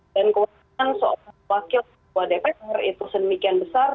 kewenangan seorang wakil ketua dpr itu sedemikian besar